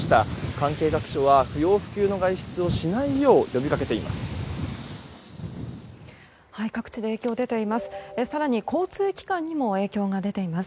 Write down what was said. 関係各所は、不要不急の外出をしないよう呼び掛けています。